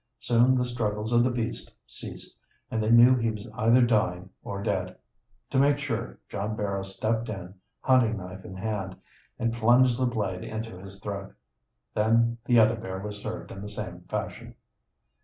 Soon the struggles of the beast ceased, and they knew he was either dying or dead. To make sure, John Barrow stepped in, hunting knife in hand, and plunged the blade into his throat. Then the other bear was served in the same fashion.